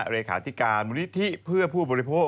เลขาธิการมูลนิธิเพื่อผู้บริโภค